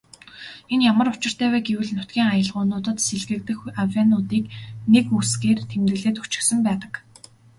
Энэ ямар учиртай вэ гэвэл нутгийн аялгуунуудад сэлгэгдэх авиануудыг нэг үсгээр тэмдэглээд өгчихсөн байдаг.